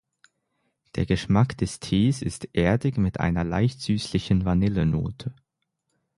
Der Geschmack des Tees ist erdig mit einer leicht süßlichen Vanille-Note.